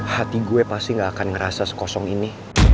hati gue pasti gak akan ngerasa sekosong ini